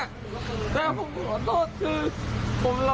แต่ผมขอโทษคือ